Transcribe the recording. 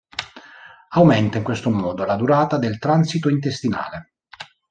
Aumenta, in questo modo, la durata del transito intestinale.